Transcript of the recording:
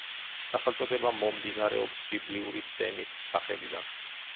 სახელწოდება მომდინარეობს ბიბლიური სემის სახელიდან.